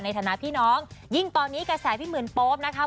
ในฐานะพี่น้องยิ่งตอนนี้กระแสพี่หมื่นโป๊ปนะคะ